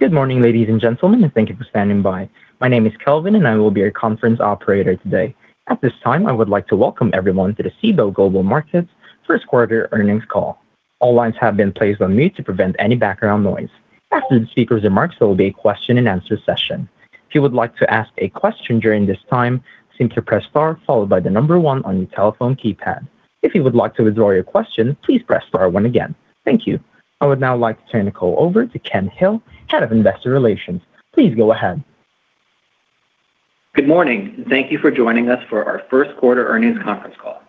Good morning, ladies and gentlemen, and thank you for standing by. My name is Kelvin, and I will be your conference operator today. At this time, I would like to welcome everyone to the Cboe Global Markets 1st quarter earnings call. All lines have been placed on mute to prevent any background noise. After the speakers' remarks, there will be a question-and-answer session. If you would like to ask a question during this time, simply press star followed by the number one on your telephone keypad. If you would like to withdraw your question, please press star one again. Thank you. I would now like to turn the call over to Ken Hill, Head of Investor Relations. Please go ahead. Good morning and thank you for joining us for our first quarter earnings conference call.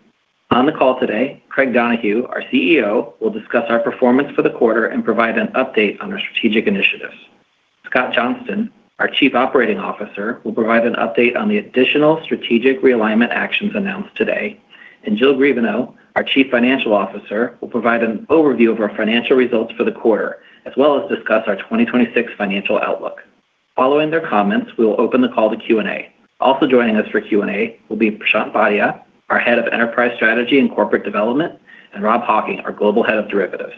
On the call today, Craig Donohue, our CEO, will discuss our performance for the quarter and provide an update on our strategic initiatives. Scott Johnston, our Chief Operating Officer, will provide an update on the additional strategic realignment actions announced today. Jill Griebenow, our Chief Financial Officer, will provide an overview of our financial results for the quarter, as well as discuss our 2026 financial outlook. Following their comments, we will open the call to Q&A. Also joining us for Q&A will be Prashant Bhatia, our Head of Enterprise Strategy and Corporate Development, and Rob Hocking, our Global Head of Derivatives.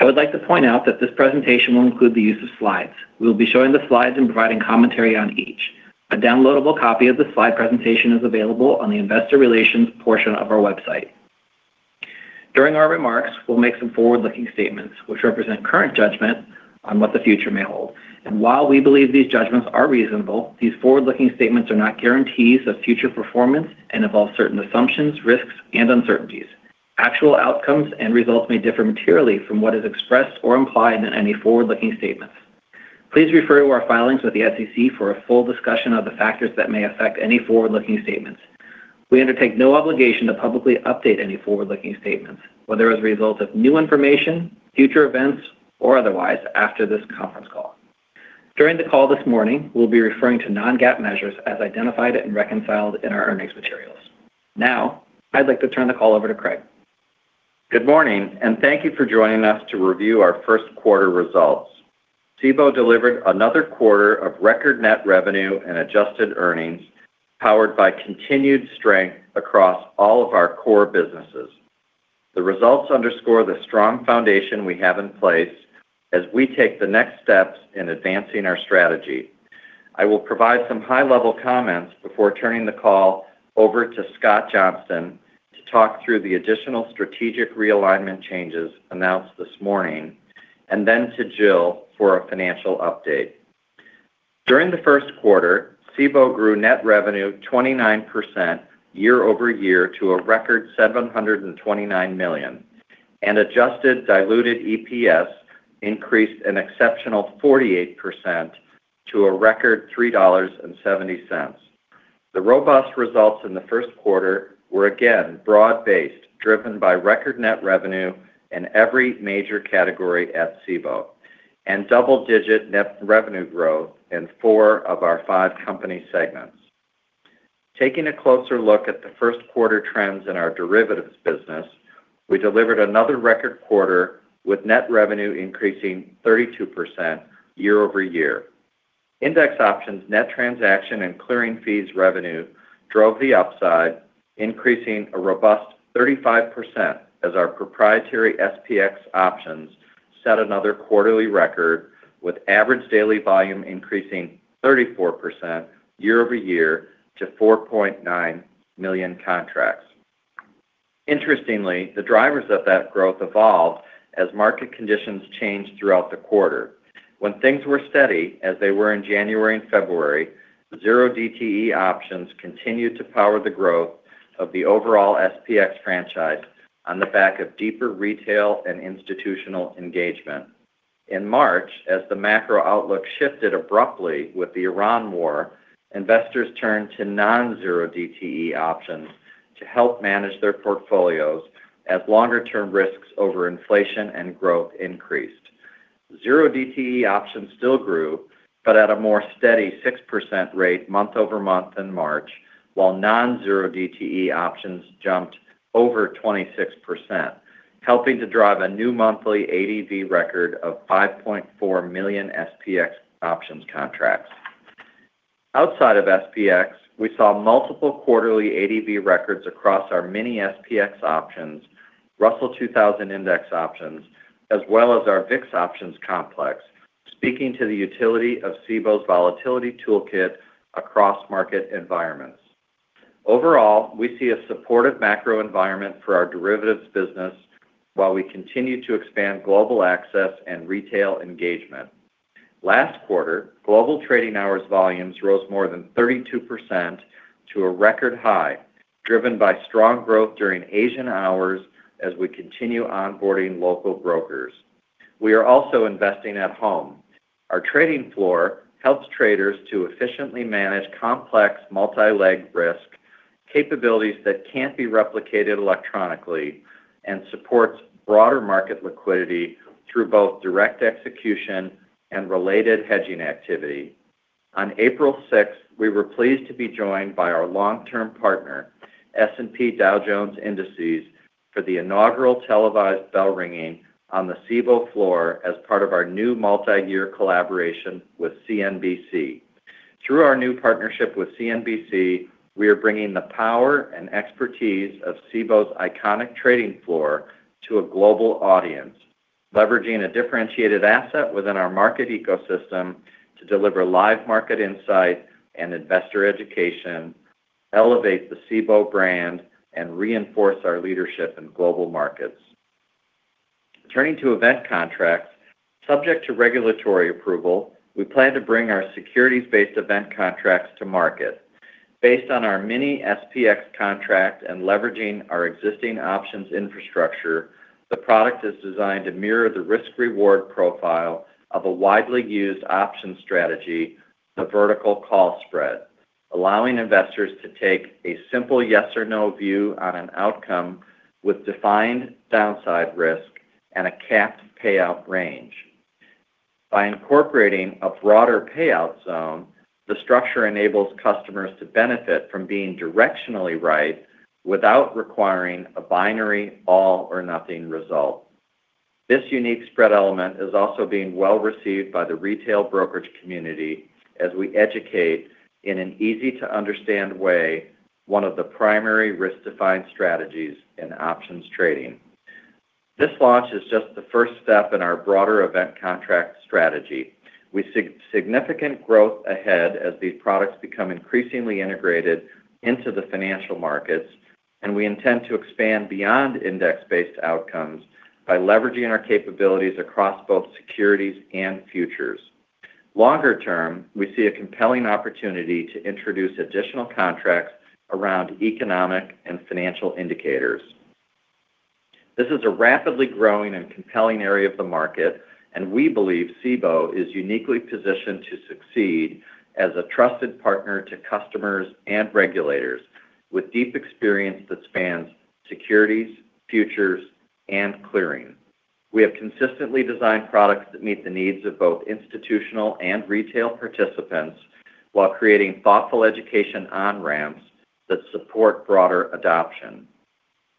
I would like to point out that this presentation will include the use of slides. We will be showing the slides and providing commentary on each. A downloadable copy of the slide presentation is available on the investor relations portion of our website. During our remarks, we'll make some forward-looking statements which represent current judgment on what the future may hold. While we believe these judgments are reasonable, these forward-looking statements are not guarantees of future performance and involve certain assumptions, risks, and uncertainties. Actual outcomes and results may differ materially from what is expressed or implied in any forward-looking statements. Please refer to our filings with the SEC for a full discussion of the factors that may affect any forward-looking statements. We undertake no obligation to publicly update any forward-looking statements, whether as a result of new information, future events, or otherwise after this conference call. During the call this morning, we'll be referring to non-GAAP measures as identified and reconciled in our earnings materials. Now, I'd like to turn the call over to Craig. Good morning. Thank you for joining us to review our first quarter results. Cboe delivered another quarter of record net revenue and adjusted earnings powered by continued strength across all of our core businesses. The results underscore the strong foundation we have in place as we take the next steps in advancing our strategy. I will provide some high-level comments before turning the call over to Scott Johnston to talk through the additional strategic realignment changes announced this morning, and then to Jill for a financial update. During the first quarter, Cboe grew net revenue 29% year-over-year to a record $729 million, and adjusted diluted EPS increased an exceptional 48% to a record $3.70. The robust results in the first quarter were again broad-based, driven by record net revenue in every major category at Cboe and double-digit net revenue growth in four of our five company segments. Taking a closer look at the first quarter trends in our derivatives business, we delivered another record quarter with net revenue increasing 32% year-over-year. Index options net transaction and clearing fees revenue drove the upside, increasing a robust 35% as our proprietary SPX options set another quarterly record with average daily volume increasing 34% year-over-year to 4.9 million contracts. Interestingly, the drivers of that growth evolved as market conditions changed throughout the quarter. When things were steady, as they were in January and February, the 0DTE options continued to power the growth of the overall SPX franchise on the back of deeper retail and institutional engagement. In March, as the macro-outlook shifted abruptly with the Iran war, investors turned to non-0DTE options to help manage their portfolios as longer-term risks over inflation and growth increased. Zero DTE options still grew, but at a more steady 6% rate month-over-month in March, while non-0DTE options jumped over 26%, helping to drive a new monthly ADV record of 5.4 million SPX options contracts. Outside of SPX, we saw multiple quarterly ADV records across our Mini-SPX options, Russell 2000 index options, as well as our VIX options complex, speaking to the utility of Cboe's volatility toolkit across market environments. Overall, we see a supportive macro environment for our derivatives business while we continue to expand global access and retail engagement. Last quarter, global trading hours volumes rose more than 32% to a record high, driven by strong growth during Asian hours as we continue onboarding local brokers. We are also investing at home. Our trading floor helps traders to efficiently manage complex multi-leg risk capabilities that can't be replicated electronically and supports broader market liquidity through both direct execution and related hedging activity. On April 6, we were pleased to be joined by our long-term partner, S&P Dow Jones Indices, for the inaugural televised bell ringing on the Cboe floor as part of our new multi-year collaboration with CNBC. Through our new partnership with CNBC, we are bringing the power and expertise of Cboe's iconic trading floor to a global audience, leveraging a differentiated asset within our market ecosystem to deliver live market insight and investor education, elevate the Cboe brand, and reinforce our leadership in global markets. Turning to event contracts, subject to regulatory approval, we plan to bring our securities-based event contracts to market. Based on our Mini-SPX contract and leveraging our existing options infrastructure, the product is designed to mirror the risk-reward profile of a widely used options strategy, the vertical call spread, allowing investors to take a simple yes or no view on an outcome with defined downside risk and a capped payout range. By incorporating a broader payout zone, the structure enables customers to benefit from being directionally right without requiring a binary all or nothing result. This unique spread element is also being well received by the retail brokerage community as we educate in an easy-to-understand way one of the primary risks defined strategies in options trading. This launch is just the first step in our broader event contract strategy. We see significant growth ahead as these products become increasingly integrated into the financial markets, and we intend to expand beyond index-based outcomes by leveraging our capabilities across both securities and futures. Longer term, we see a compelling opportunity to introduce additional contracts around economic and financial indicators. This is a rapidly growing and compelling area of the market, and we believe Cboe is uniquely positioned to succeed as a trusted partner to customers and regulators with deep experience that spans securities, futures and clearing. We have consistently designed products that meet the needs of both institutional and retail participants while creating thoughtful education on ramps that support broader adoption.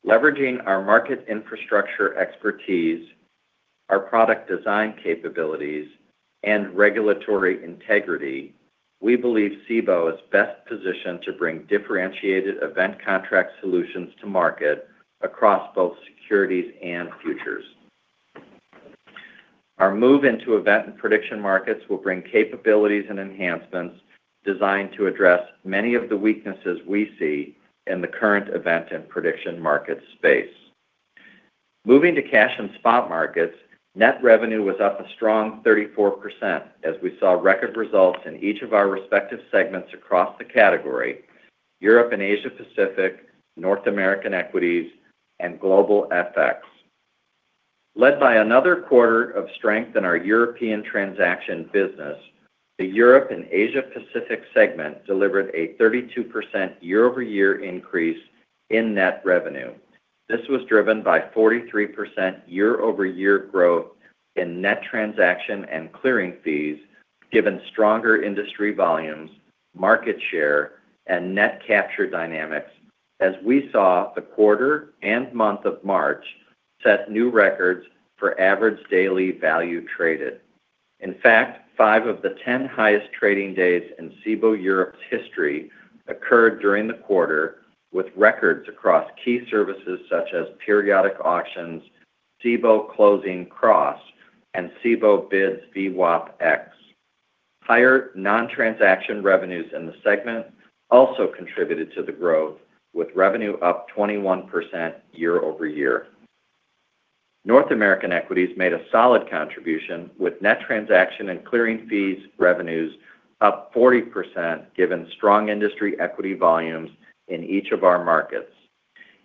Leveraging our market infrastructure expertise, our product design capabilities and regulatory integrity, we believe Cboe is best positioned to bring differentiated event contract solutions to market across both securities and futures. Our move into event and prediction markets will bring capabilities and enhancements designed to address many of the weaknesses we see in the current event and prediction market space. Moving to cash and spot markets, net revenue was up a strong 34% as we saw record results in each of our respective segments across the category, Europe and Asia Pacific, North American Equities and Global FX. Led by another quarter of strength in our European transaction business, the Europe and Asia Pacific segment delivered a 32% year-over-year increase in net revenue. This was driven by 43% year-over-year growth in net transaction and clearing fees given stronger industry volumes, market share and net capture dynamics as we saw the quarter and month of March set new records for average daily value traded. In fact, five of the 10 highest trading days in Cboe Europe's history occurred during the quarter with records across key services such as Periodic Auctions, Cboe Closing Cross and Cboe BIDS VWAP-X. Higher non-transaction revenues in the segment also contributed to the growth with revenue up 21% year-over-year. North American Equities made a solid contribution with net transaction and clearing fees revenues up 40% given strong industry equity volumes in each of our markets.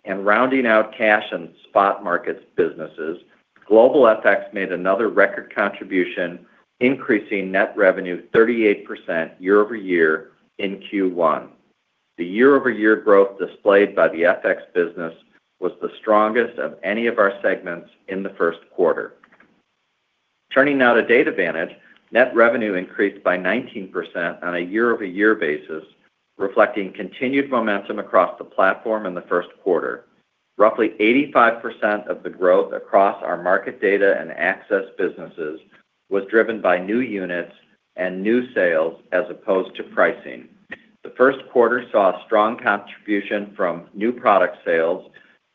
Rounding out cash and spot markets businesses, Global FX made another record contribution, increasing net revenue 38% year-over-year in Q1. The year-over-year growth displayed by the FX business was the strongest of any of our segments in the first quarter. Turning now to Cboe DataVantage, net revenue increased by 19% on a year-over-year basis, reflecting continued momentum across the platform in the first quarter. Roughly 85% of the growth across our market data and access businesses was driven by new units and new sales as opposed to pricing. The first quarter saw a strong contribution from new product sales,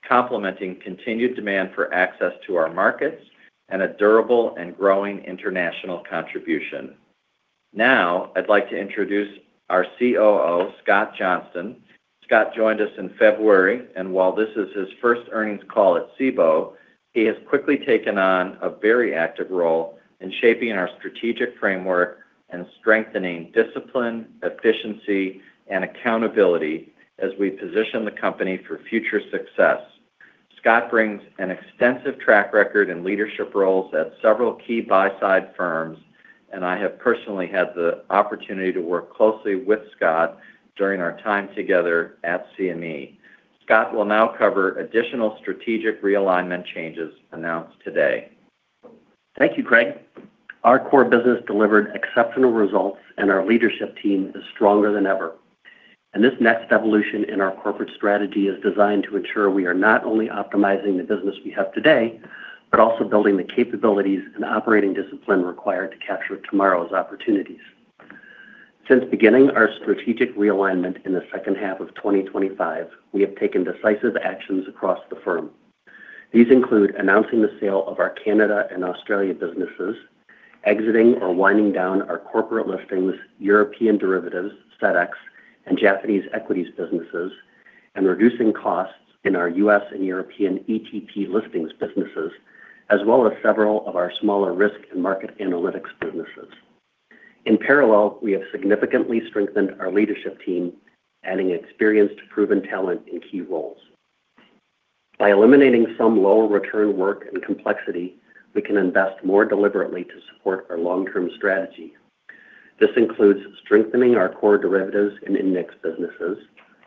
complementing continued demand for access to our markets and a durable and growing international contribution. I'd like to introduce our COO, Scott Johnston. Scott joined us in February, and while this is his first earnings call at Cboe, he has quickly taken on a very active role in shaping our strategic framework and strengthening discipline, efficiency and accountability as we position the company for future success. Scott brings an extensive track record in leadership roles at several key buy side firms, and I have personally had the opportunity to work closely with Scott during our time together at CME. Scott will now cover additional strategic realignment changes announced today. Thank you, Craig. Our core business delivered exceptional result, and our leadership team is stronger than ever. This next evolution in our corporate strategy is designed to ensure we are not only optimizing the business we have today, but also building the capabilities and operating discipline required to capture tomorrow's opportunities. Since beginning our strategic realignment in the second half of 2025, we have taken decisive actions across the firm. These include announcing the sale of our Cboe Canada and Cboe Australia businesses, exiting or winding down our corporate listings, European derivatives, FX, and Japanese equities businesses, and reducing costs in our U.S. and European ETP listings businesses, as well as several of our smaller risk and market analytics businesses. In parallel, we have significantly strengthened our leadership team, adding experienced, proven talent in key roles. By eliminating some low-return work and complexity, we can invest more deliberately to support our long-term strategy. This includes strengthening our core derivatives and index businesses,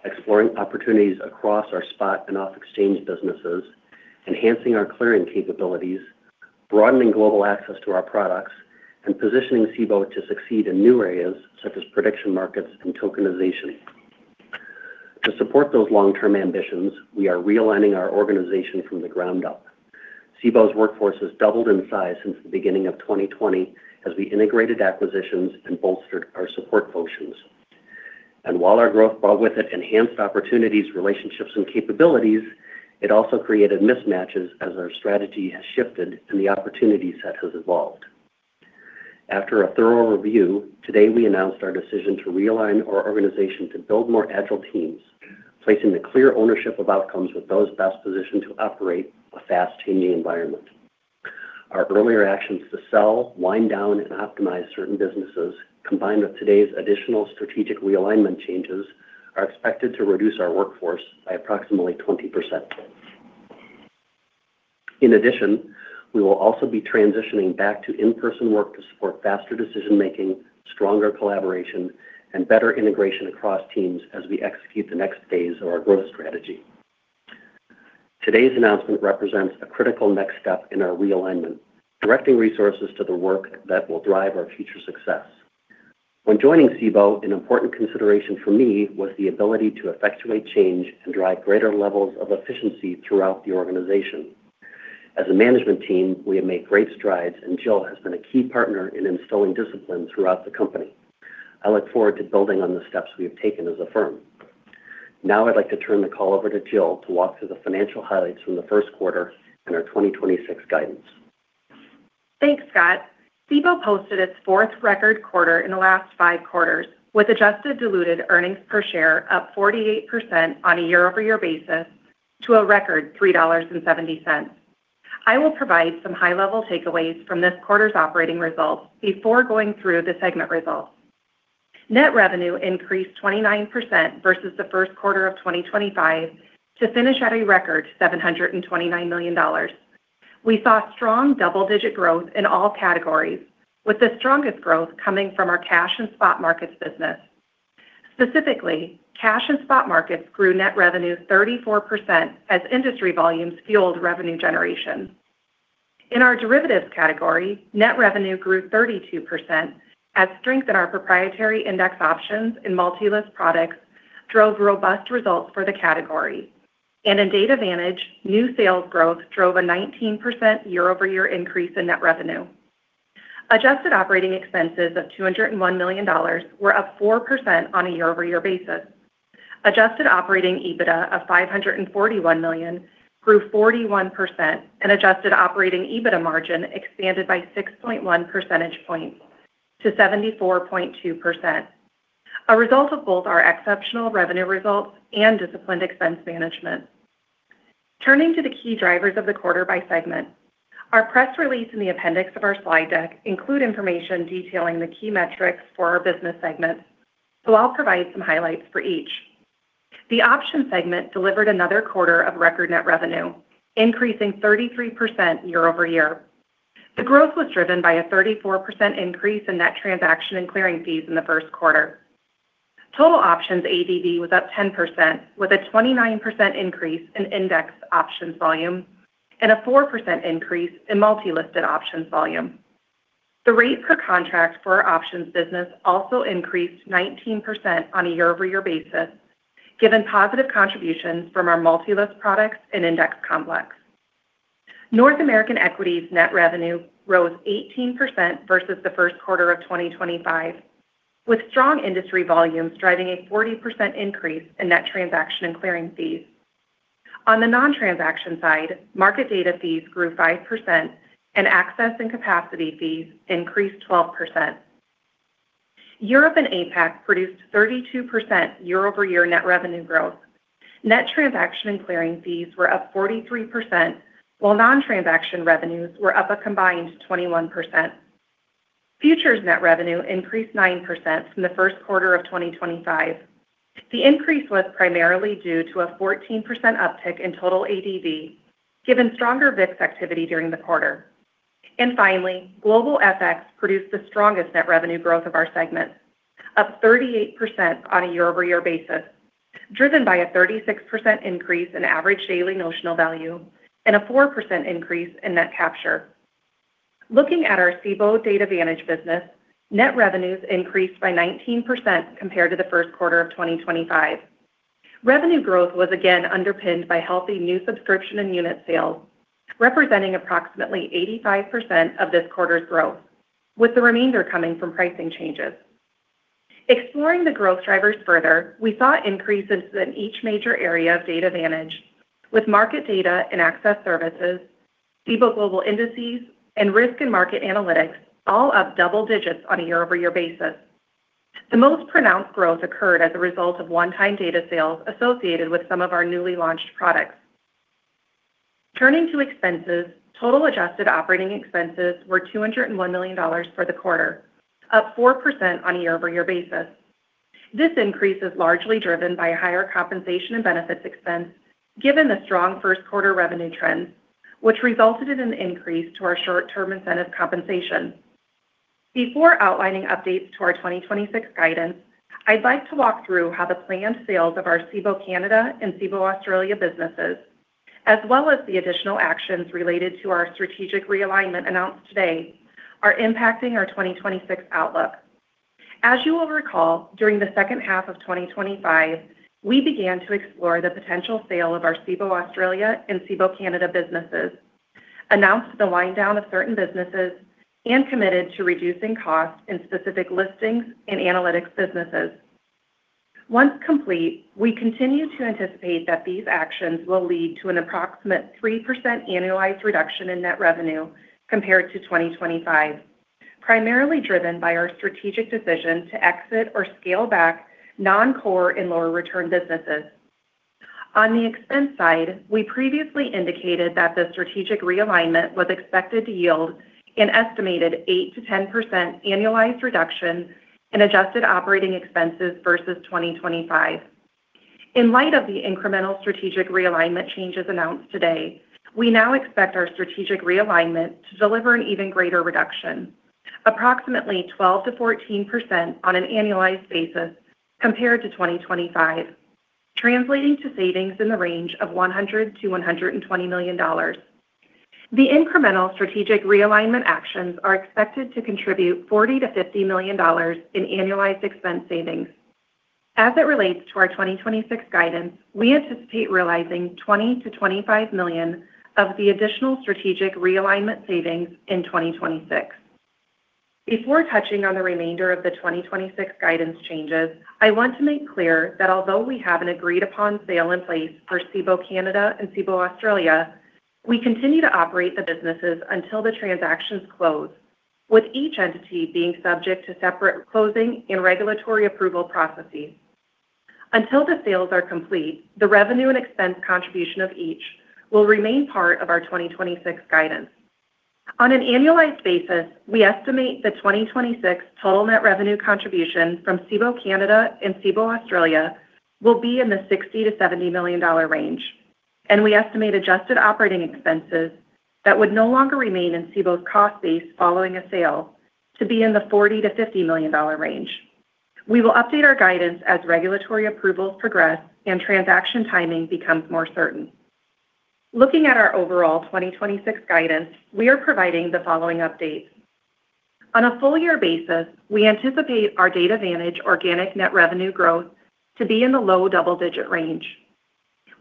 exploring opportunities across our spot and off-exchange businesses, enhancing our clearing capabilities, broadening global access to our products, and positioning Cboe to succeed in new areas, such as prediction markets and tokenization. To support those long-term ambitions, we are realigning our organization from the ground up. Cboe's workforce has doubled in size since the beginning of 2020 as we integrated acquisitions and bolstered our support functions. While our growth brought with it enhanced opportunities, relationships, and capabilities, it also created mismatches as our strategy has shifted and the opportunity set has evolved. After a thorough review, today we announced our decision to realign our organization to build more agile teams, placing the clear ownership of outcomes with those best positioned to operate a fast, changing environment. Our earlier actions to sell, wind down, and optimize certain businesses, combined with today's additional strategic realignment changes, are expected to reduce our workforce by approximately 20%. In addition, we will also be transitioning back to in-person work to support faster decision-making, stronger collaboration, and better integration across teams as we execute the next phase of our growth strategy. Today's announcement represents a critical next step in our realignment, directing resources to the work that will drive our future success. When joining Cboe, an important consideration for me was the ability to effectuate change and drive greater levels of efficiency throughout the organization. As a management team, we have made great strides. Jill has been a key partner in instilling discipline throughout the company. I look forward to building on the steps we have taken as a firm. Now I'd like to turn the call over to Jill to walk through the financial highlights from the first quarter and our 2026 guidance. Thanks, Scott. Cboe posted its fourth record quarter in the last five quarters, with adjusted diluted earnings per share up 48% on a year-over-year basis to a record $3.70. I will provide some high-level takeaways from this quarter's operating results before going through the segment results. Net revenue increased 29% versus the first quarter of 2025 to finish at a record $729 million. We saw strong double-digit growth in all categories, with the strongest growth coming from our cash and spot markets business. Specifically, cash and spot markets grew net revenue 34% as industry volumes fueled revenue generation. In our derivatives category, net revenue grew 32% as strength in our proprietary index options and multi-list products drove robust results for the category. In Cboe DataVantage, new sales growth drove a 19% year-over-year increase in net revenue. Adjusted operating expenses of $201 million were up 4% on a year-over-year basis. Adjusted operating EBITDA of $541 million grew 41% and adjusted operating EBITDA margin expanded by 6.1 percentage points to 74.2%, a result of both our exceptional revenue results and disciplined expense management. Turning to the key drivers of the quarter by segment, our press release and the appendix of our slide deck include information detailing the key metrics for our business segments, so, I'll provide some highlights for each. The Options segment delivered another quarter of record net revenue, increasing 33% year-over-year. The growth was driven by a 34% increase in net transaction and clearing fees in the first quarter. Total options ADV was up 10%, with a 29% increase in index options volume and a 4% increase in multi-listed options volume. The rate per contract for our options business also increased 19% on a year-over-year basis, given positive contributions from our multi-list products and index complex. North American Equities net revenue rose 18% versus the first quarter of 2025, with strong industry volumes driving a 40% increase in net transaction and clearing fees. On the non-transaction side, market data fees grew 5% and access and capacity fees increased 12%. Europe and APAC produced 32% year-over-year net revenue growth. Net transaction and clearing fees were up 43%, while non-transaction revenues were up a combined 21%. Futures net revenue increased 9% from the first quarter of 2025. The increase was primarily due to a 14% uptick in total ADV, given stronger VIX activity during the quarter. Finally, global FX produced the strongest net revenue growth of our segments, up 38% on a year-over-year basis, driven by a 36% increase in average daily notional value and a 4% increase in net capture. Looking at our Cboe DataVantage business, net revenues increased by 19% compared to the first quarter of 2025. Revenue growth was again underpinned by healthy new subscription and unit sales, representing approximately 85% of this quarter's growth, with the remainder coming from pricing changes. Exploring the growth drivers further, we saw increases in each major area of DataVantage, with market data and access services, Cboe Global Indices, and risk and market analytics all up double digits on a year-over-year basis. The most pronounced growth occurred as a result of one-time data sales associated with some of our newly launched products. Turning to expenses, total adjusted operating expenses were $201 million for the quarter, up 4% on a year-over-year basis. This increase is largely driven by higher compensation and benefits expense given the strong first quarter revenue trends, which resulted in an increase to our short-term incentive compensation. Before outlining updates to our 2026 guidance, I'd like to walk through how the planned sales of our Cboe Canada and Cboe Australia businesses, as well as the additional actions related to our strategic realignment announced today, are impacting our 2026 outlook. As you will recall, during the second half of 2025, we began to explore the potential sale of our Cboe Australia and Cboe Canada businesses, announced the wind down of certain businesses, and committed to reducing costs in specific listings and analytics businesses. Once complete, we continue to anticipate that these actions will lead to an approximate 3% annualized reduction in net revenue compared to 2025, primarily driven by our strategic decision to exit or scale back non-core and lower return businesses. On the expense side, we previously indicated that the strategic realignment was expected to yield an estimated 8%-10% annualized reduction in adjusted operating expenses versus 2025. In light of the incremental strategic realignment changes announced today, we now expect our strategic realignment to deliver an even greater reduction, approximately 12%-14% on an annualized basis compared to 2025, translating to savings in the range of $100 million-$120 million. The incremental strategic realignment actions are expected to contribute $40 million-$50 million in annualized expense savings. As it relates to our 2026 guidance, we anticipate realizing $20 million-$25 million of the additional strategic realignment savings in 2026. Before touching on the remainder of the 2026 guidance changes, I want to make clear that although we have an agreed-upon sale in place for Cboe Canada and Cboe Australia, we continue to operate the businesses until the transactions close, with each entity being subject to separate closing and regulatory approval processes. Until the sales are complete, the revenue and expense contribution of each will remain part of our 2026 guidance. On an annualized basis, we estimate the 2026 total net revenue contribution from Cboe Canada and Cboe Australia will be in the $60 million-$70 million range, and we estimate adjusted operating expenses that would no longer remain in Cboe's cost base following a sale to be in the $40 million-$50 million range. We will update our guidance as regulatory approvals progress and transaction timing becomes more certain. Looking at our overall 2026 guidance, we are providing the following updates. On a full year basis, we anticipate our Cboe DataVantage organic net revenue growth to be in the low double-digit range.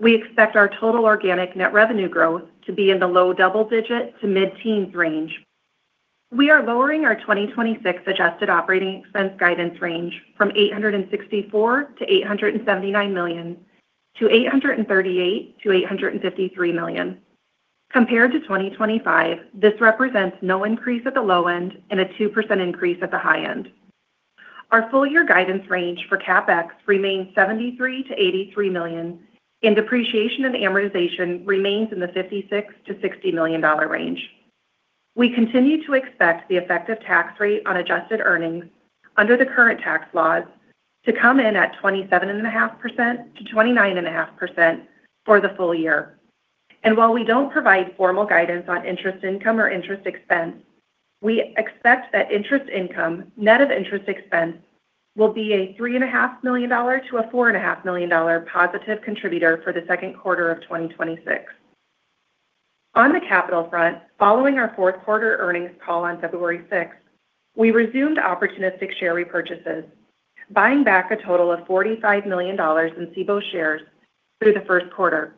We expect our total organic net revenue growth to be in the low double-digit to mid-teens range. We are lowering our 2026 adjusted operating expense guidance range from $864 million-$879 million to $838 million-$853 million. Compared to 2025, this represents no increase at the low end and a 2% increase at the high end. Our full year guidance range for CapEx remains $73 million-$83 million, and depreciation and amortization remains in the $56 million-$60 million range. We continue to expect the effective tax rate on adjusted earnings under the current tax laws to come in at 27.5%-29.5% for the full year. While we don't provide formal guidance on interest income or interest expense, we expect that interest income net of interest expense will be a three and a half million dollars to a four and a half million dollars positive contributor for the second quarter of 2026. On the capital front, following our fourth quarter earnings call on February 6, we resumed opportunistic share repurchases, buying back a total of $45 million in Cboe shares through the first quarter.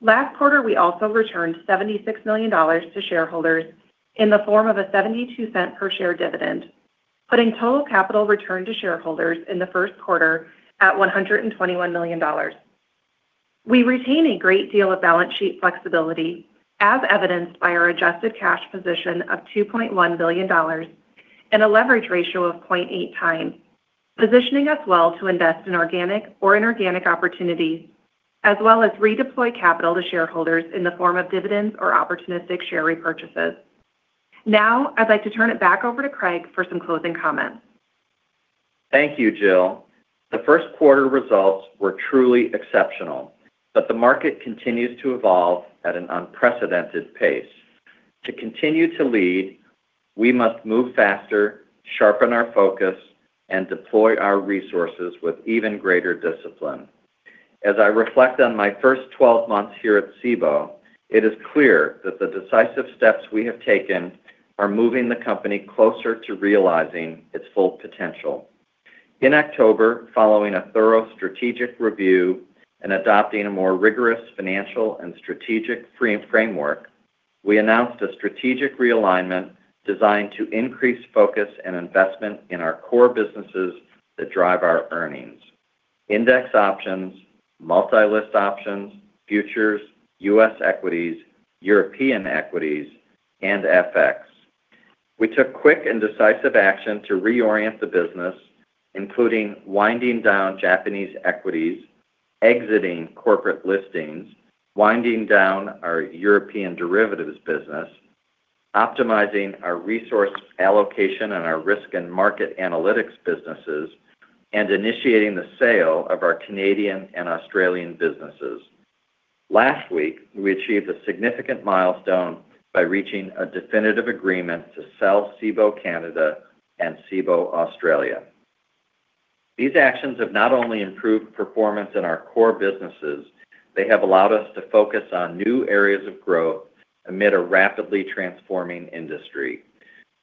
Last quarter, we also returned $76 million to shareholders in the form of a $0.72 per share dividend, putting total capital return to shareholders in the first quarter at $121 million. We retain a great deal of balance sheet flexibility, as evidenced by our adjusted cash position of $2.1 billion and a leverage ratio of 0.8 times, positioning us well to invest in organic or inorganic opportunities as well as redeploy capital to shareholders in the form of dividends or opportunistic share repurchases. Now, I'd like to turn it back over to Craig for some closing comments. Thank you, Jill. The first quarter results were truly exceptional, but the market continues to evolve at an unprecedented pace. To continue to lead, we must move faster, sharpen our focus, and deploy our resources with even greater discipline. As I reflect on my first 12 months here at Cboe, it is clear that the decisive steps we have taken are moving the company closer to realizing its full potential. In October, following a thorough strategic review and adopting a more rigorous financial and strategic framework, we announced a strategic realignment designed to increase focus and investment in our core businesses that drive our earnings. Index options, multi-list options, futures, U.S. equities, European equities, and FX. We took quick and decisive action to reorient the business, including winding down Japanese equities, exiting corporate listings, winding down our European derivatives business, optimizing our resource allocation and our risk and market analytics businesses, and initiating the sale of our Canadian and Australian businesses. Last week, we achieved a significant milestone by reaching a definitive agreement to sell Cboe Canada and Cboe Australia. These actions have not only improved performance in our core businesses, they have allowed us to focus on new areas of growth amid a rapidly transforming industry.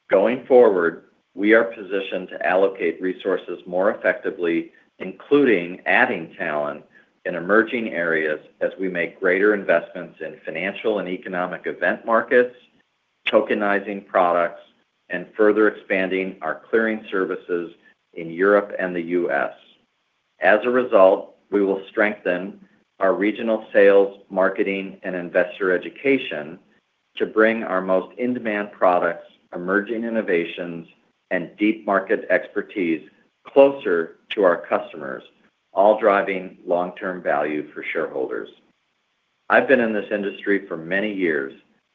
Going forward, we are positioned to allocate resources more effectively, including adding talent in emerging areas as we make greater investments in financial and economic event markets, tokenizing products, and further expanding our clearing services in Europe and the U.S. As a result, we will strengthen our regional sales, marketing, and investor education to bring our most in-demand products, emerging innovations, and deep market expertise closer to our customers, all driving long-term value for shareholders. I've been in this industry for many years,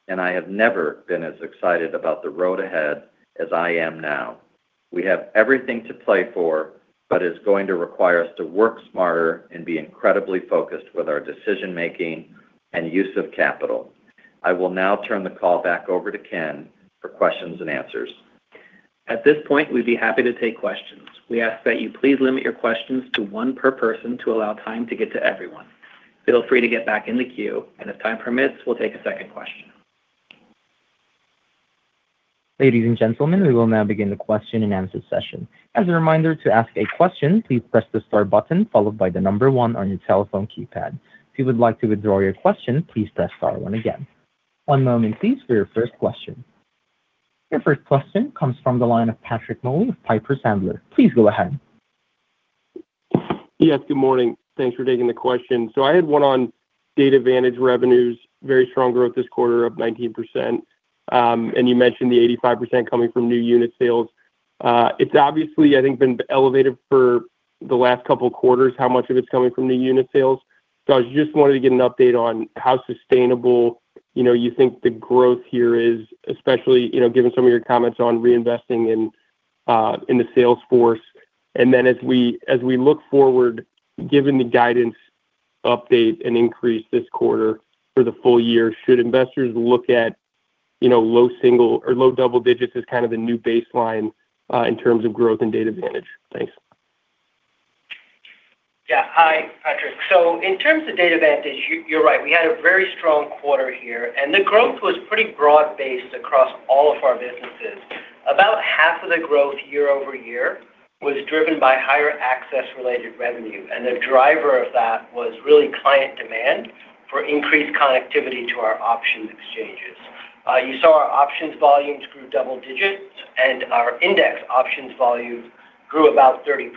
and I have never been as excited about the road ahead as I am now. We have everything to play for, but it's going to require us to work smarter and be incredibly focused with our decision-making and use of capital. I will now turn the call back over to Ken for questions and answers. At this point, we'd be happy to take questions. We ask that you please limit your questions to one per person to allow time to get to everyone. Feel free to get back in the queue, and if time permits, we'll take a second question. Ladies and gentlemen, we will now begin the question and answer session. As a reminder, to ask a question, please press the star button followed by the number one on your telephone keypad. If you would like to withdraw your question, please press star one again. One moment please for your first question. Your first question comes from the line of Patrick Moley of Piper Sandler. Please go ahead. Yes, good morning. Thanks for taking the question. I had one on DataVantage revenues. Very strong growth this quarter of 19%. You mentioned the 85% coming from new unit sales. It's obviously, I think, been elevated for the last couple of quarters. How much of it's coming from new unit sales? I just wanted to get an update on how sustainable; you know, you think the growth here is, especially, you know, given some of your comments on reinvesting in the sales force. As we look forward, given the guidance update and increase this quarter for the full year, should investors look at, you know, low single or low double digits as kind of the new baseline in terms of growth in DataVantage? Thanks. Hi, Patrick. In terms of Cboe DataVantage, you're right. We had a very strong quarter here, and the growth was pretty broad-based across all of our businesses. About half of the growth year-over-year was driven by higher access-related revenue, and the driver of that was really client demand for increased connectivity to our options exchanges. You saw our options volumes grew double digits, and our index options volumes grew about 30%.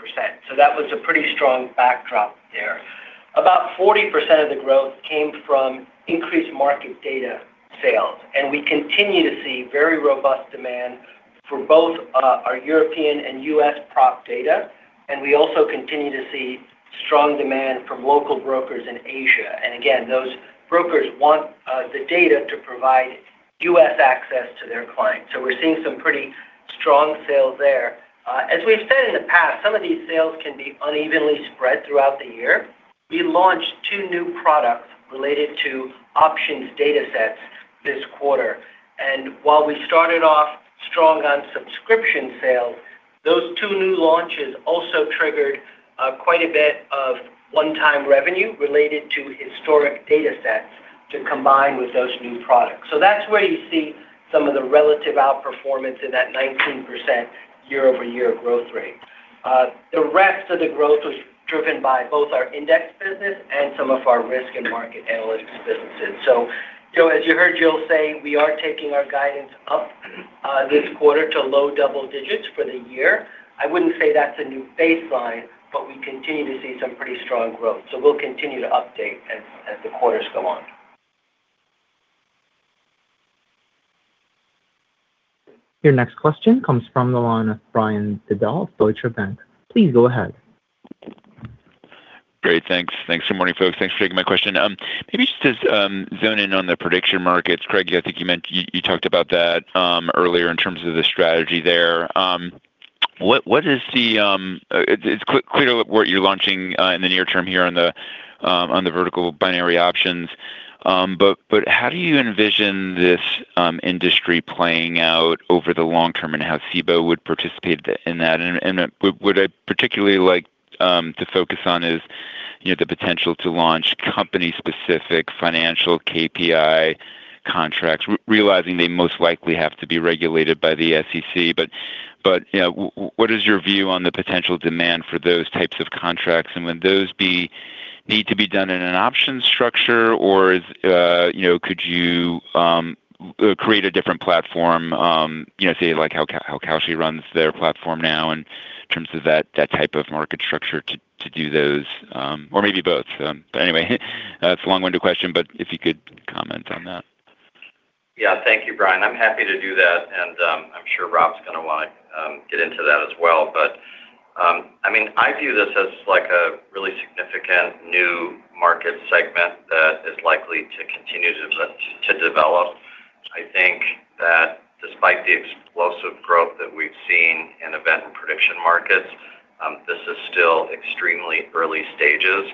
That was a pretty strong backdrop there. About 40% of the growth came from increased market data sales, and we continue to see very robust demand for both our European and U.S. prop data, and we also continue to see strong demand from local brokers in Asia. Again, those brokers want the data to provide U.S. access to their clients. We're seeing some pretty strong sales there. As we've said in the past, some of these sales can be unevenly spread throughout the year. We launched two new products related to options datasets this quarter. While we started off strong on subscription sales, those two new launches also triggered quite a bit of one-time revenue related to historic datasets to combine with those new products. That's where you see some of the relative outperformance in that 19% year-over-year growth rate. The rest of the growth was driven by both our index business and some of our risk and market analytics businesses. As you heard Jill say, we are taking our guidance up this quarter to low double digits for the year. I wouldn't say that's a new baseline, but we continue to see some pretty strong growth. We'll continue to update as the quarters go on. Your next question comes from the line of Brian Bedell, Deutsche Bank. Please go ahead. Great, thanks. Thanks. Good morning, folks. Thanks for taking my question. Maybe just as zone in on the prediction markets. Craig, I think you talked about that earlier in terms of the strategy there. What is the? It's clear what you're launching in the near term here on the on the vertical binary options. How do you envision this industry playing out over the long term and how Cboe would participate in that? What I'd particularly like to focus on is, you know, the potential to launch company-specific financial KPI contracts, realizing they most likely have to be regulated by the SEC. You know, what is your view on the potential demand for those types of contracts? Would those need to be done in an option structure? Is, you know, could you create a different platform, you know, say like how Kalshi runs their platform now in terms of that type of market structure to do those, or maybe both? Anyway, that's a long-winded question, but if you could comment on that. Yeah. Thank you, Brian. I'm happy to do that, and I'm sure Rob's gonna wanna get into that as well. I mean, I view this as like a really significant new market segment that is likely to continue to develop. I think that despite the explosive growth that we've seen in event and prediction markets, this is still extremely early stages.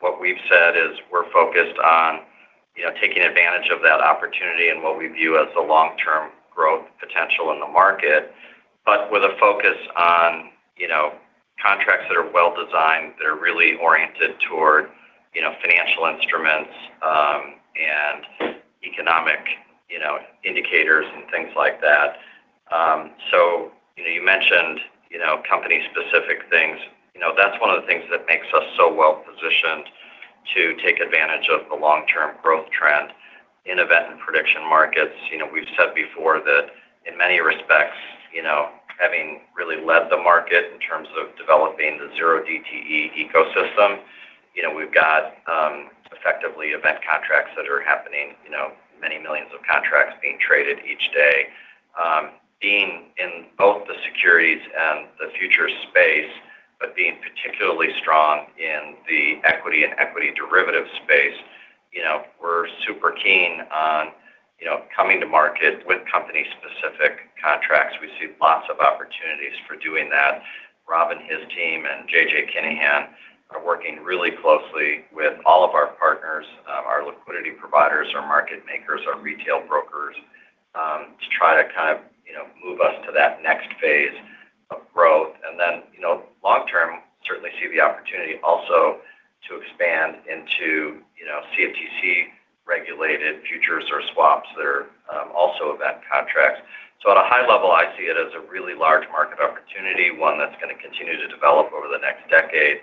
What we've said is we're focused on, you know, taking advantage of that opportunity and what we view as the long-term growth potential in the market, but with a focus on, you know, contracts that are well-designed, that are really oriented toward, you know, financial instruments, and economic, you know, indicators and things like that. You know, you mentioned, you know, company-specific things. That's one of the things that makes us so well-positioned to take advantage of the long-term growth trend in event and prediction markets. We've said before that in many respects, you know, having really led the market in terms of developing the 0DTE ecosystem, you know, we've got effectively event contracts that are happening, you know, many millions of contracts being traded each day. Being in both the securities and the future space but being particularly strong in the equity and equity derivative space. We're super keen on, you know, coming to market with company-specific contracts. We see lots of opportunities for doing that. Rob and his team and JJ Kinahan are working really closely with all of our partners, our liquidity providers, our market makers, our retail brokers, to try to kind of, you know, move us to that next phase of growth. You know, long term, certainly see the opportunity also to expand into, you know, CFTC-regulated futures or swaps that are also event contracts. I see it as a really large market opportunity, one that's gonna continue to develop over the next decade.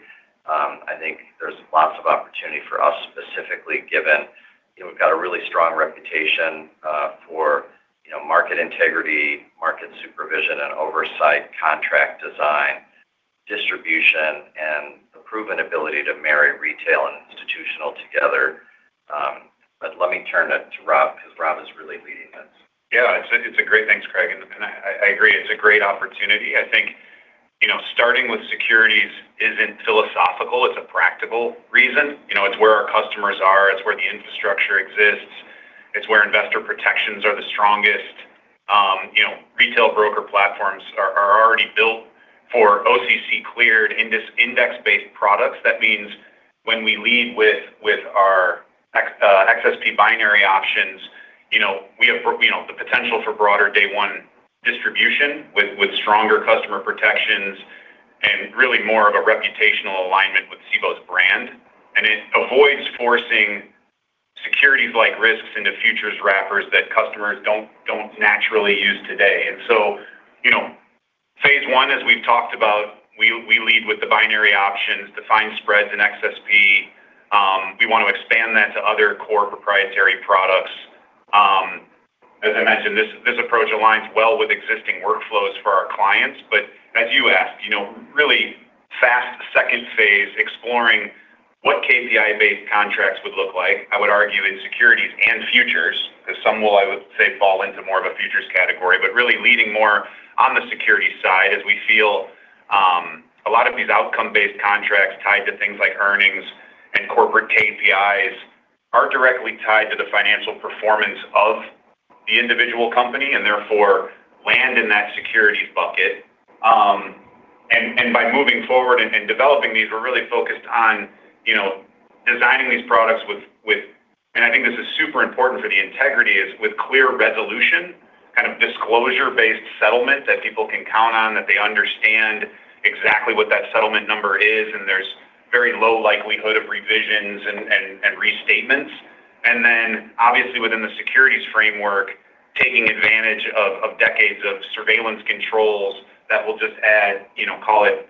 There's lots of opportunity for us specifically given, you know, we've got a really strong reputation, for, you know, market integrity, market supervision and oversight, contract design, distribution, and a proven ability to marry retail and institutional together. Let me turn it to Rob 'cause Rob is really leading this. Yeah. Thanks, Craig. I agree, it's a great opportunity. I think, you know, starting with securities isn't philosophical, it's a practical reason. You know, it's where our customers are, it's where the infrastructure exists, it's where investor protections are the strongest. You know, retail broker platforms are already built for OCC-cleared index-based products. That means when we lead with our XSP Binary Options, you know, we have the potential for broader day-one distribution with stronger customer protections and really more of a reputational alignment with Cboe's brand. It avoids forcing securities-like risks into futures wrappers that customers don't naturally use today. So, you know, phase one, as we've talked about, we lead with the binary options, defined spreads in XSP. We want to expand that to other core proprietary products. As I mentioned, this approach aligns well with existing workflows for our clients. As you asked, you know, really fast second phase, exploring what KPI-based contracts would look like, I would argue in securities and futures, 'cause some will, I would say, fall into more of a futures category, but really leading more on the securities side as we feel a lot of these outcome-based contracts tied to things like earnings and corporate KPIs are directly tied to the financial performance of the individual company, and therefore land in that securities bucket. By moving forward and developing these, we're really focused on, you know, designing these products with. And I think this is super important for the integrity, is with clear resolution, kind of disclosure-based settlement that people can count on, that they understand exactly what that settlement number is, and there's very low likelihood of revisions and restatements. Obviously within the securities framework, taking advantage of decades of surveillance controls that will just add, you know, call it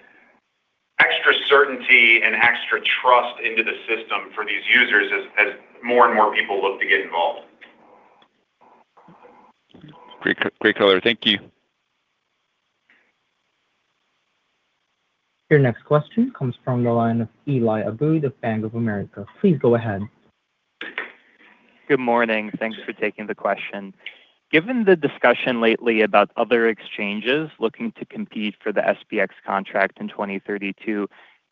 extra certainty and extra trust into the system for these users as more and more people look to get involved. Great. Great color. Thank you. Your next question comes from the line of Eli Abboud of Bank of America. Please go ahead. Good morning. Thanks for taking the question. Given the discussion lately about other exchanges looking to compete for the SPX contract in 2032,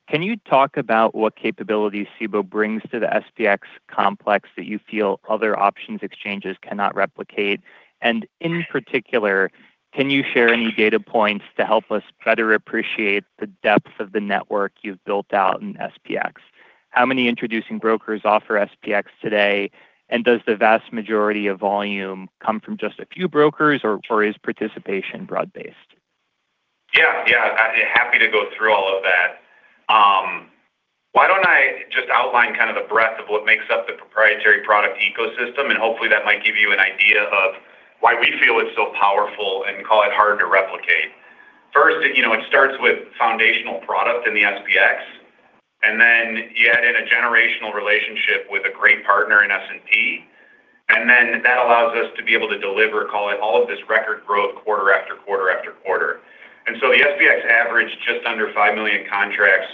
can you talk about what capabilities Cboe brings to the SPX complex that you feel other options exchanges cannot replicate? In particular, can you share any data points to help us better appreciate the depth of the network you've built out in SPX? How many introducing brokers offer SPX today? Does the vast majority of volume come from just a few brokers or is participation broad-based? Yeah. Yeah. Happy to go through all of that. Why don't I just outline kind of the breadth of what makes up the proprietary product ecosystem, and hopefully that might give you an idea of why we feel it's so powerful and call it hard to replicate. First, you know, it starts with foundational product in the SPX, and then yet in a generational relationship with a great partner in S&P. That allows us to be able to deliver, call it, all of this record growth quarter after quarter after quarter. The SPX averaged just under 5 million contracts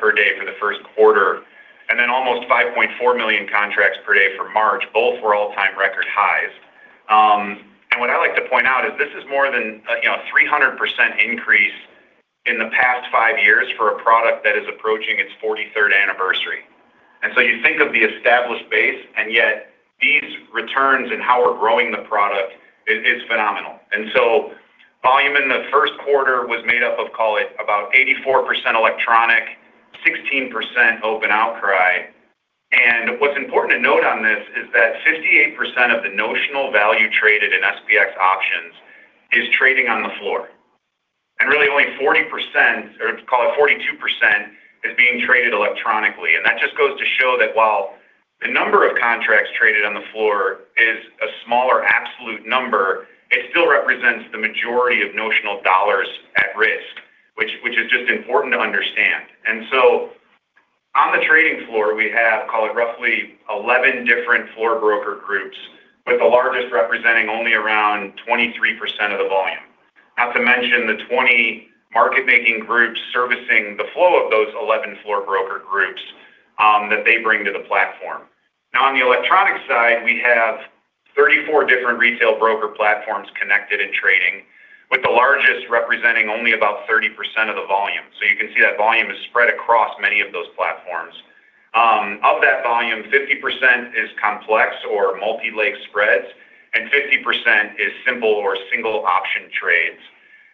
per day for the first quarter, and then almost 5.4 million contracts per day for March. Both were all-time record highs. What I like to point out is this is more than a, you know, 300% increase in the past five years for a product that is approaching its 43rd anniversary. You think of the established base, and yet these returns and how we're growing the product is phenomenal. Volume in the first quarter was made up of, call it, about 84% electronic, 16% open outcry. What's important to note on this is that 58% of the notional value traded in SPX options is trading on the floor. Really only 40% or call it 42% is being traded electronically. That just goes to show that while the number of contracts traded on the floor is a smaller absolute number, it still represents the majority of notional dollars at risk, which is just important to understand. On the trading floor, we have, call it, roughly 11 different floor broker groups, with the largest representing only around 23% of the volume. Not to mention the 20 market making groups servicing the flow of those 11 floor broker groups that they bring to the platform. On the electronic side, we have 34 different retail broker platforms connected in trading, with the largest representing only about 30% of the volume. You can see that volume is spread across many of those platforms. Of that volume, 50% is complex or multi-leg spreads, and 50% is simple or single option trades.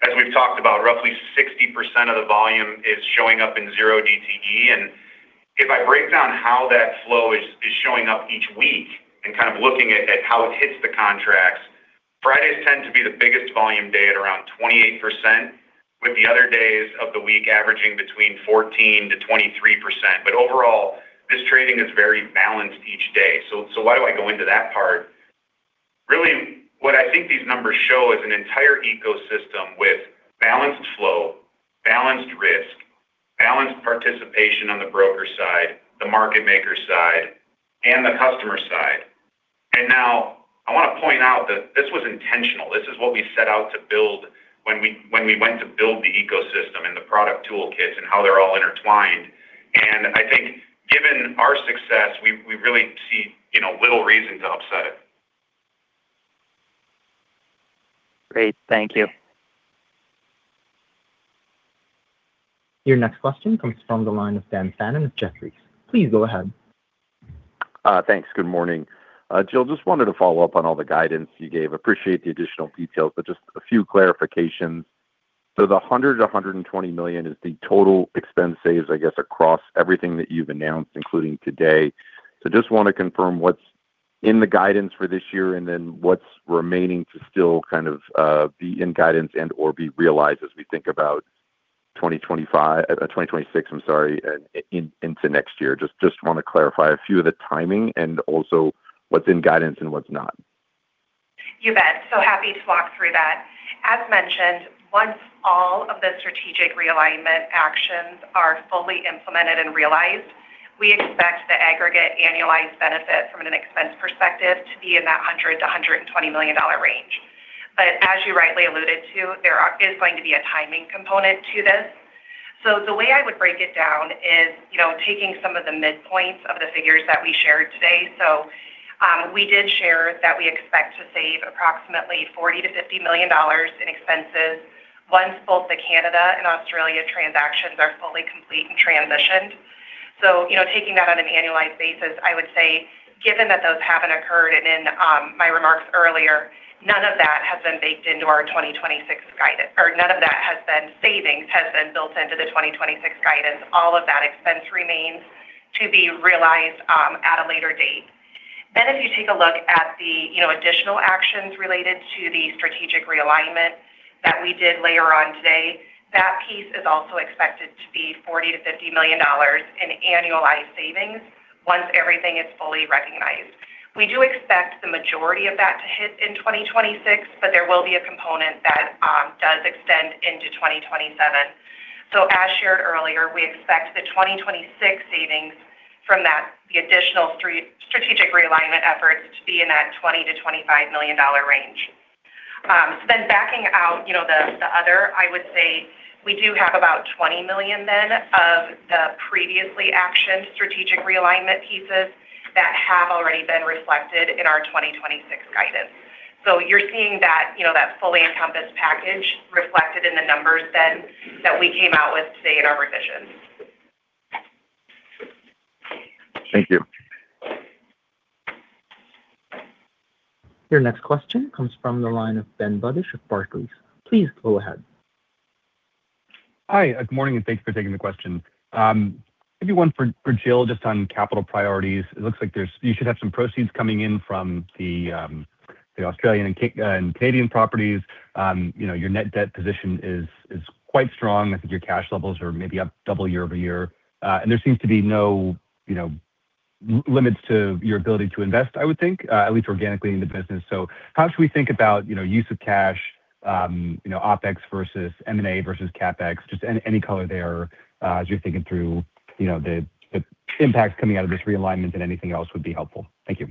As we've talked about, roughly 60% of the volume is showing up in 0DTE. If I break down how that flow is showing up each week and kind of looking at how it hits the contracts, Fridays tend to be the biggest volume day at around 28%, with the other days of the week averaging between 14%-23%. Overall, this trading is very balanced each day. Why do I go into that part? Really, what I think these numbers show is an entire ecosystem with balanced flow, balanced risk, balanced participation on the broker side, the market maker side, and the customer side. Now, I want to point out that this was intentional. This is what we set out to build when we went to build the ecosystem and the product toolkits and how they're all intertwined. I think given our success, we really see, you know, little reason to upset it. Great. Thank you. Your next question comes from the line of Dan Fannon with Jefferies. Please go ahead. Thanks. Good morning. Jill, just wanted to follow up on all the guidance you gave. Appreciate the additional details, but just a few clarifications. The $100 million-$120 million is the total expense saves, I guess, across everything that you've announced, including today. Just wanna confirm what's in the guidance for this year, and then what's remaining to still kind of be in guidance and/or be realized as we think about 2026, I'm sorry, into next year. Just wanna clarify a few of the timing and also what's in guidance and what's not. You bet. Happy to walk through that. As mentioned, once all of the strategic realignment actions are fully implemented and realized, we expect the aggregate annualized benefit from an expense perspective to be in that $100 million-$120 million range. As you rightly alluded to, there is going to be a timing component to this. The way I would break it down is, you know, taking some of the midpoints of the figures that we shared today. We did share that we expect to save approximately $40 million-$50 million in expenses once both the Cboe Canada and Cboe Australia transactions are fully complete and transitioned. you know, taking that on an annualized basis, I would say given that those haven't occurred and in my remarks earlier, none of that has been baked into our 2026 guidance, savings has been built into the 2026 guidance. All of that expense remains to be realized at a later date. If you take a look at the, you know, additional actions related to the strategic realignment that we did later on today, that piece is also expected to be $40 million-$50 million in annualized savings once everything is fully recognized. We do expect the majority of that to hit in 2026, but there will be a component that does extend into 2027. As shared earlier, we expect the 2026 savings from the additional three strategic realignment efforts to be in that $20 million-$25 million range. Backing out, you know, the other, I would say we do have about $20 million then of the previously actioned strategic realignment pieces that have already been reflected in our 2026 guidance. You're seeing that, you know, that fully encompassed package reflected in the numbers then that we came out with today at our revisions. Thank you. Your next question comes from the line of Benjamin Budish of Barclays. Please go ahead. Hi. Good morning, and thanks for taking the question. Maybe one for Jill, just on capital priorities. It looks like you should have some proceeds coming in from the Australian and Canadian properties. You know, your net debt position is quite strong. I think your cash levels are maybe up double year-over-year. There seems to be no, you know, limits to your ability to invest, I would think, at least organically in the business. How should we think about, you know, use of cash, you know, OpEx versus M&A versus CapEx? Just any color there, as you're thinking through, you know, the impacts coming out of this realignment and anything else would be helpful. Thank you.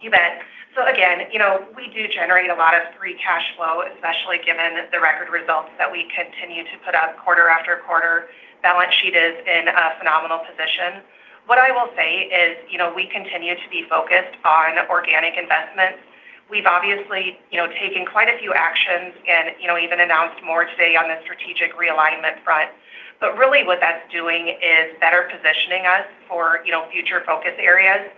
You bet. Again, you know, we do generate a lot of free cash flow, especially given the record results that we continue to put up quarter after quarter. Balance sheet is in a phenomenal position. What I will say is, you know, we continue to be focused on organic investments. We've obviously, you know, taken quite a few actions and, you know, even announced more today on the strategic realignment front. Really what that's doing is better positioning us for, you know, future focus areas.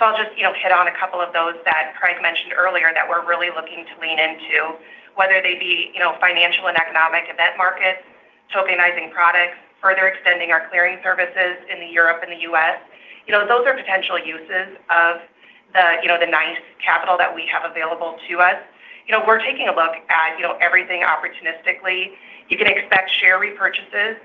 I'll just, you know, hit on a couple of those that Craig mentioned earlier that we're really looking to lean into, whether they be, you know, financial and economic event markets, tokenizing products, further extending our clearing services in Europe and the U.S. You know, those are potential uses of the, you know, the nice capital that we have available to us. You know, we're taking a look at, you know, everything opportunistically. You can expect share repurchases,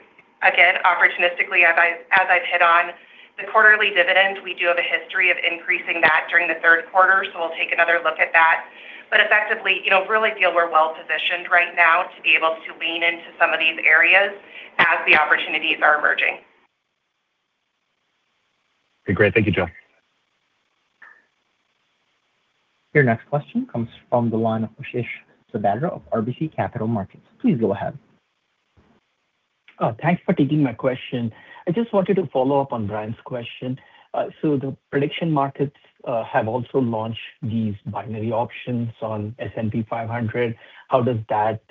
again, opportunistically, as I've hit on the quarterly dividend. We do have a history of increasing that during the third quarter. We'll take another look at that. Effectively, you know, really feel we're well-positioned right now to be able to lean into some of these areas as the opportunities are emerging. Okay, great. Thank you, Jill. Your next question comes from the line of Ashish Sabadra of RBC Capital Markets. Please go ahead. Oh, thanks for taking my question. I just wanted to follow up on Brian's question. The prediction markets have also launched these binary options on S&P 500. How does that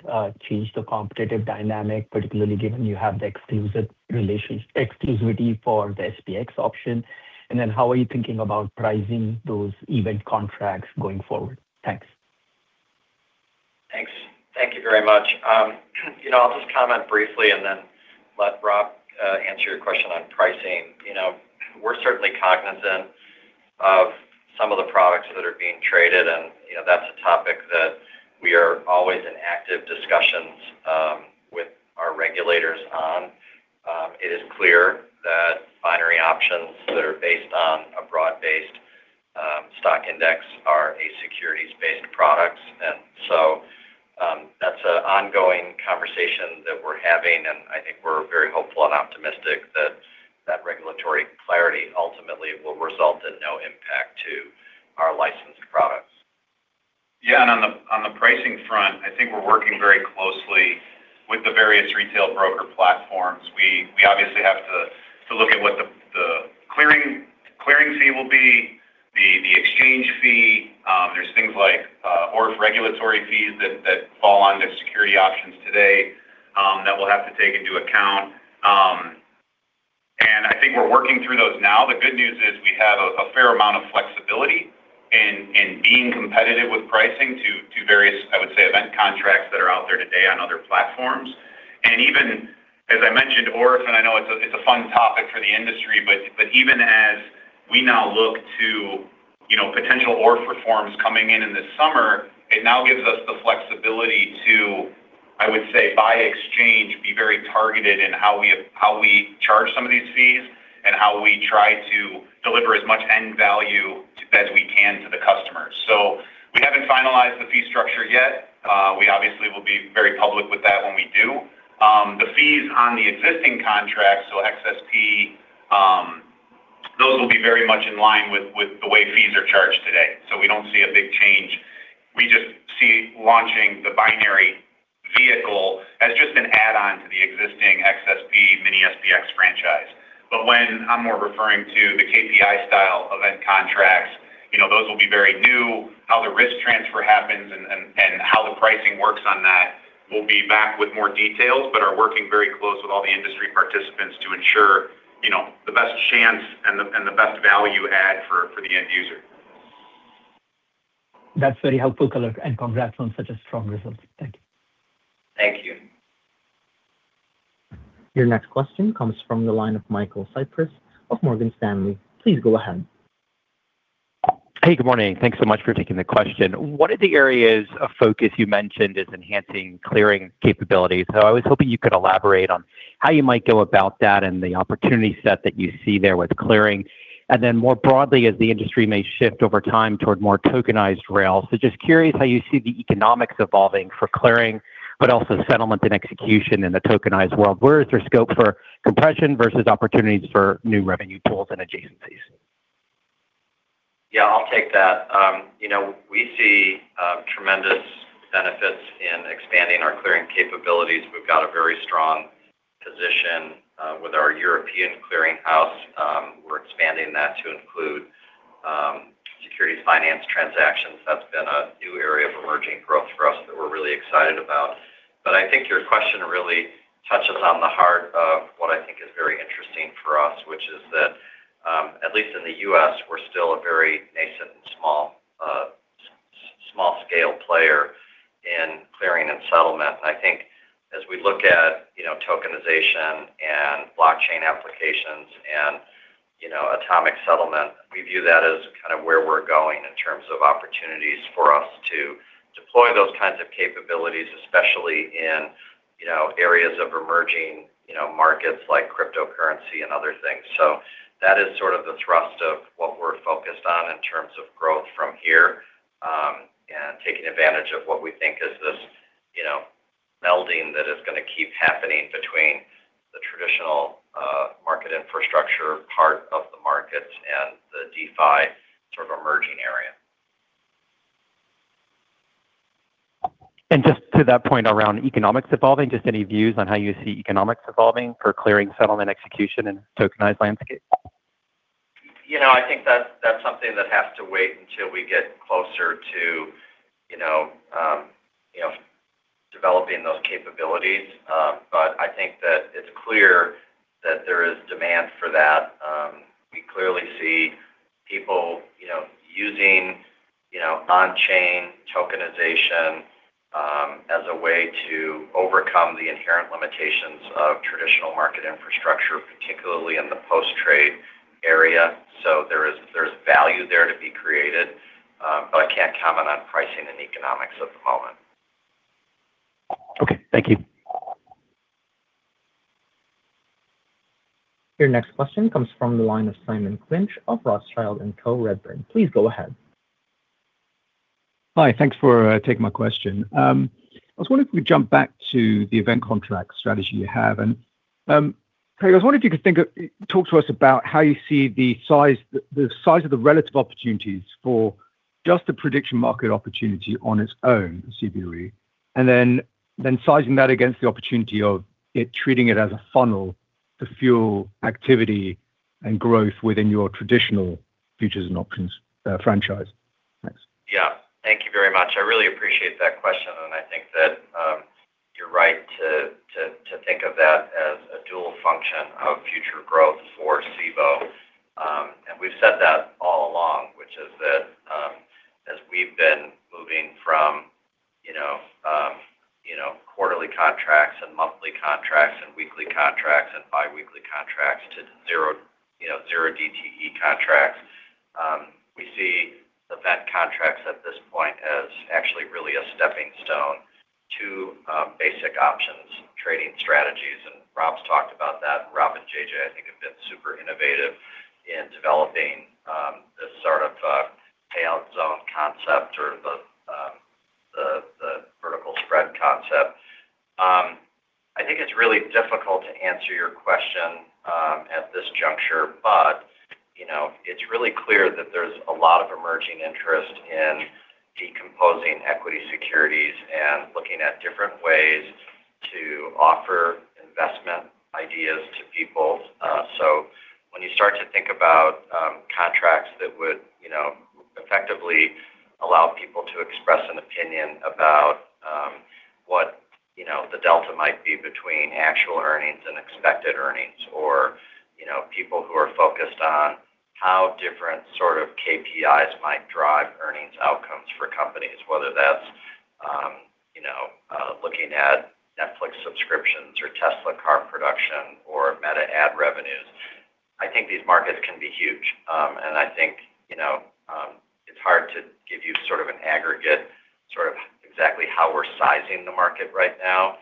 change the competitive dynamic, particularly given you have the exclusivity for the SPX option? How are you thinking about pricing those event contracts going forward? Thanks. Thanks. Thank you very much. You know, I'll just comment briefly and then let Rob Hocking answer your question on pricing. You know, we're certainly cognizant of some of the products that are being traded, and, you know, that's a topic that we are always in active discussions with our regulators on. It is clear that binary options that are based on a broad-based stock index are a securities-based product. That's an ongoing conversation that we're having, and I think we're very hopeful and optimistic that that regulatory clarity ultimately will result in no impact to our licensed products. Yeah. On the pricing front, I think we're working very closely with the various retail broker platforms. We obviously have to look at what the clearing fee will be, the exchange fee. There's things like ORF regulatory fees that fall under security options today that we'll have to take into account. I think we're working through those now. The good news is we have a fair amount of flexibility in being competitive with pricing to various, I would say, event contracts that are out there today on other platforms. Even as I mentioned, ORF, I know it's a fun topic for the industry, even as we now look to, you know, potential ORF reforms coming in in the summer, it now gives us the flexibility to, I would say, by exchange, be very targeted in how we charge some of these fees and how we try to deliver as much end value as we can to the customers. We haven't finalized the fee structure yet. We obviously will be very public with that when we do. The fees on the existing contract, so XSP, those will be very much in line with the way fees are charged today. We don't see a big change. We just see launching the binary vehicle as just an add-on to the existing XSP, Mini-SPX franchise. When I'm more referring to the KPI style event contracts, you know, those will be very new, how the risk transfer happens and how the pricing works on that. We'll be back with more details, but are working very close with all the industry participants to ensure, you know, the best chance and the best value add for the end user. That's very helpful, color, and congrats on such a strong result. Thank you. Thank you. Your next question comes from the line of Michael Cyprys of Morgan Stanley. Please go ahead. Hey, good morning. Thanks so much for taking the question. One of the areas of focus you mentioned is enhancing clearing capabilities. I was hoping you could elaborate on how you might go about that and the opportunity set that you see there with clearing. More broadly, as the industry may shift over time toward more tokenized rail. Just curious how you see the economics evolving for clearing, but also settlement and execution in the tokenized world. Where is there scope for compression versus opportunities for new revenue pools and adjacencies? Yeah, I'll take that. You know, we see tremendous benefits in expanding our clearing capabilities. We've got a very strong position with our European clearing house. We're expanding that to include securities finance transactions. That's been emerging growth for us that we're really excited about. I think your question really touches on the heart of what I think is very interesting for us, which is that, at least in the U.S., we're still a very nascent and small scale player in clearing and settlement. I think as we look at, you know, tokenization and blockchain applications and, you know, atomic settlement, we view that as kind of where we're going in terms of opportunities for us to deploy those kinds of capabilities, especially in, you know, areas of emerging, you know, markets like cryptocurrency and other things. That is sort of the thrust of what we're focused on in terms of growth from here, and taking advantage of what we think is this, you know, melding that is going to keep happening between the traditional market infrastructure part of the markets and the DeFi sort of emerging area. Just to that point around economics evolving, just any views on how you see economics evolving for clearing settlement execution in tokenized landscape? You know, I think that's something that has to wait until we get closer to, you know, developing those capabilities. I think that it's clear that there is demand for that. We clearly see people, you know, using, you know, on-chain tokenization as a way to overcome the inherent limitations of traditional market infrastructure, particularly in the post-trade area. There's value there to be created. I can't comment on pricing and economics at the moment. Okay. Thank you. Your next question comes from the line of Simon Clinch of Rothschild & Co Redburn. Please go ahead. Hi. Thanks for taking my question. I was wondering if we jump back to the event contract strategy you have. Terry, I was wondering if you could talk to us about how you see the size of the relative opportunities for just the prediction market opportunity on its own at Cboe, then sizing that against the opportunity of it treating it as a funnel to fuel activity and growth within your traditional futures and options franchise. Thanks. Yeah. Thank you very much. I really appreciate that question. I think that you're right to think of that as a dual function of future growth for Cboe. We've said that all along, which is that, as we've been moving from, you know, quarterly contracts and monthly contracts and weekly contracts and bi-weekly contracts to zero, you know, zero DTE contracts, we see event contracts at this point as actually really a stepping stone to basic options trading strategies. Rob's talked about that. Rob and JJ, I think, have been super innovative in developing the sort of payout zone concept or the vertical spread concept. I think it's really difficult to answer your question at this juncture, you know, it's really clear that there's a lot of emerging interest in decomposing equity securities and looking at different ways to offer investment ideas to people. When you start to think about contracts that would, you know, effectively allow people to express an opinion about what, you know, the delta might be between actual earnings and expected earnings or, you know, people who are focused on how different sort of KPIs might drive earnings outcomes for companies, whether that's, you know, looking at Netflix subscriptions or Tesla car production or Meta ad revenues, I think these markets can be huge. I think, you know, it's hard to give you sort of an aggregate sort of exactly how we're sizing the market right now.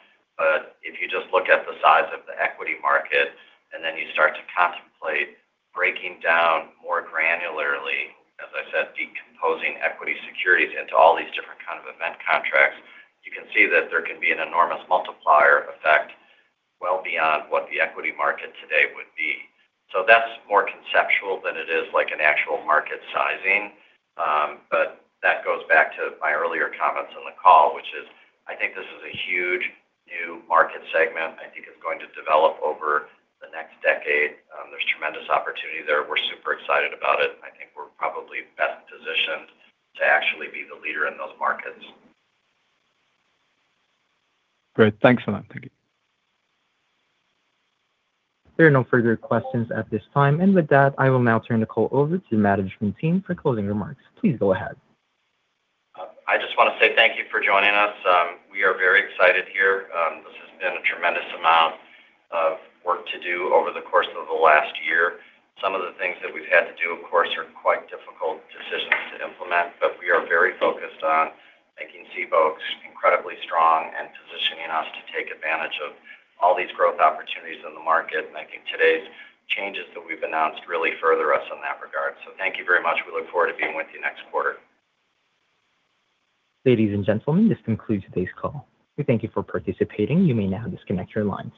If you just look at the size of the equity market, and then you start to contemplate breaking down more granularly, as I said, decomposing equity securities into all these different kind of event contracts, you can see that there can be an enormous multiplier effect well beyond what the equity market today would be. That's more conceptual than it is like an actual market sizing. That goes back to my earlier comments on the call, which is I think this is a huge new market segment I think is going to develop over the next decade. There's tremendous opportunity there. We're super excited about it. I think we're probably best positioned to actually be the leader in those markets. Great. Thanks a lot. Thank you. There are no further questions at this time. With that, I will now turn the call over to the management team for closing remarks. Please go ahead. I just wanna say thank you for joining us. We are very excited here. This has been a tremendous amount of work to do over the course of the last year. Some of the things that we've had to do, of course, are quite difficult decisions to implement, but we are very focused on making Cboe incredibly strong and positioning us to take advantage of all these growth opportunities in the market, making today's changes that we've announced really further us in that regard. Thank you very much. We look forward to being with you next quarter. Ladies and gentlemen, this concludes today's call. We thank you for participating. You may now disconnect your lines.